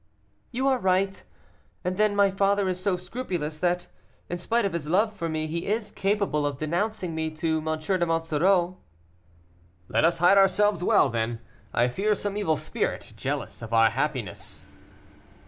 "You are right; and then my father is so scrupulous that, in spite of his love for me, he is capable of denouncing me to M. de Monsoreau." "Let us hide ourselves well, then; I fear some evil spirit, jealous of our happiness."